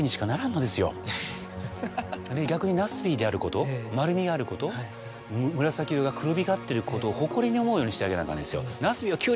逆にナスビであること丸みがあること紫色が黒光っていることを誇りに思うようにしてあげなあかんのですよ。